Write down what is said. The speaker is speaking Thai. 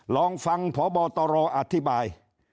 ลองฟังพบตรอธิบาย